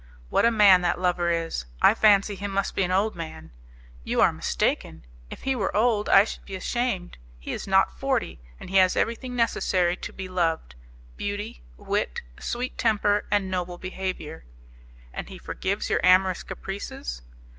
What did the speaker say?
"What a man that lover is! I fancy he must be an old man." "You are mistaken; if he were old, I should be ashamed. He is not forty, and he has everything necessary to be loved beauty, wit, sweet temper, and noble behaviour." "And he forgives your amorous caprices?"